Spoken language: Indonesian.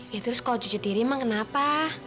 ya terus kalau cucu diri emang kenapa